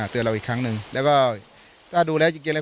และถ้าดูแลจริงความเสียหาย